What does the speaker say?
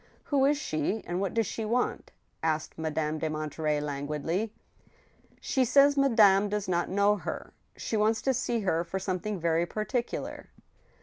" Who is she, and what does she want ?" asked Madame de Monterey, languidly. •' She says madame does not know her. She wants to see her for something very particular."